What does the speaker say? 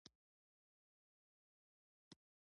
"ملایان یې غواړي خوري سبحان من یرانی".